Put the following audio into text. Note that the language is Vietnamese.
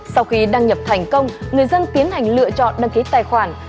sau khi đăng nhập thành công người dân tiến hành lựa chọn đăng ký tài khoản